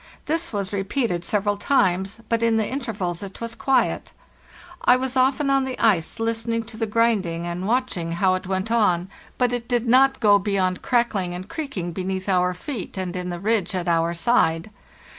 This was repeated several times; but in the intervals it was quiet. I was often on the ice listening to the grinding and watching how it Il.—s5 66 FARTHEST NORTH went on, but it did not go beyond crackling and creaking beneath our feet and in the ridge at our side.